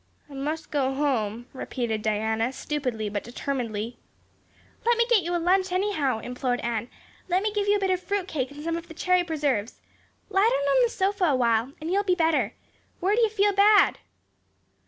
"I must go home," repeated Diana, stupidly but determinedly. "Let me get you a lunch anyhow," implored Anne. "Let me give you a bit of fruit cake and some of the cherry preserves. Lie down on the sofa for a little while and you'll be better. Where do you feel bad?"